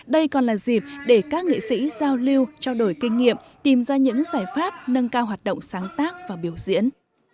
đây còn là dịp để các nghệ sĩ giao lưu trao đổi kinh nghiệm tìm ra những giải pháp nâng cao hoạt động sáng tác và biểu diễn